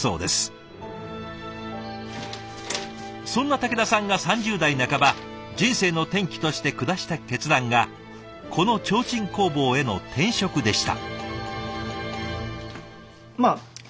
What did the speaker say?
そんな武田さんが３０代半ば人生の転機として下した決断がこの提灯工房への転職でした。